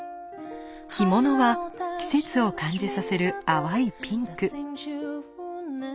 着物は季節を感じさせる淡いピンク。